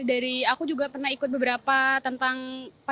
dari aku juga pernah ikut beberapa tentang